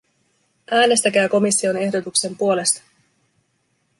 Äänestäkää komission ehdotuksen puolesta!